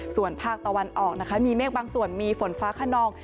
ส่วนภาคตะวันออกนะคะมีเมฆบางส่วนมีฝนฟ้าขนอง